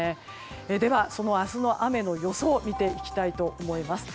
では、その明日の雨の予想見ていきたいと思います。